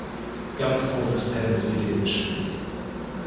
Ganz großes Tennis wird hier gespielt.